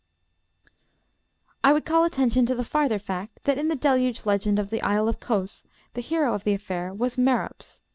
I would call attention to the farther fact that in the Deluge legend of the Isle of Cos the hero of the affair was Merops.